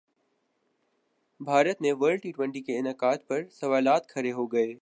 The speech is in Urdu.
بھارت میں ورلڈ ٹی ٹوئنٹی کے انعقاد پر سوالات کھڑے ہوگئے